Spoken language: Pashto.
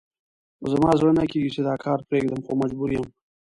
زما زړه نه کېږي چې دا کار پرېږدم، خو مجبور یم.